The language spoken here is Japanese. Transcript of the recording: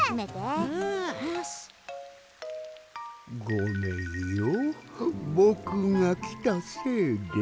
ごめんよぼくがきたせいで。